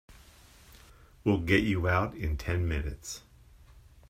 We'll get you out in ten minutes.